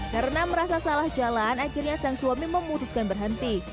karena merasa salah jalan akhirnya sang suami memutuskan berhenti